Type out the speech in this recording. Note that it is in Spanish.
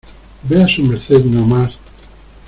vea su merced no más...